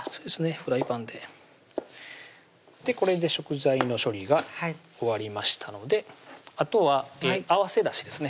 フライパンでこれで食材の処理が終わりましたのであとは合わせだしですね